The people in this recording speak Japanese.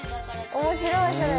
面白いそれ。